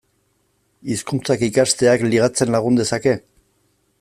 Hizkuntzak ikasteak ligatzen lagun dezake?